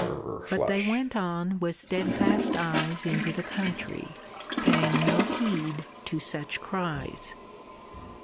But they went on with steadfast eyes into the country, paying no heed to such cries.